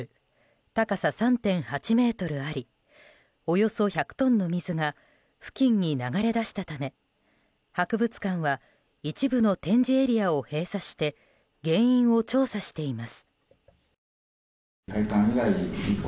高さ３．８ｍありおよそ１００トンの水が付近に流れ出したため博物館は一部の展示エリアを閉鎖して原因を調査しています。